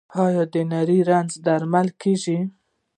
آیا د نري رنځ درملنه کیږي؟